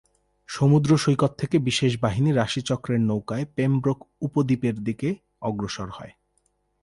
সমুদ্র সৈকত থেকে বিশেষ বাহিনী রাশিচক্রের নৌকায় পেমব্রোক উপদ্বীপের দিকে অগ্রসর হয়।